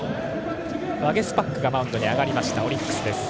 ワゲスパックがマウンドに上がったオリックス。